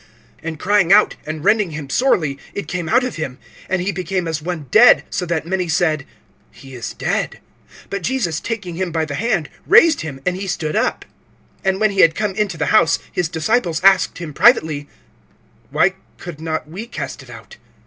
(26)And crying out, and rending him sorely, it came out of him. And he became as one dead; so that many said: He is dead. (27)But Jesus taking him by the hand, raised him, and he stood up. (28)And when he had come into the house, his disciples asked him privately: Why could not we cast it out?